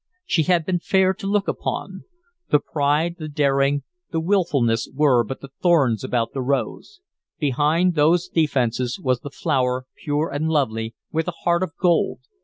She had been fair to look upon; the pride, the daring, the willfulness, were but the thorns about the rose; behind those defenses was the flower, pure and lovely, with a heart of gold.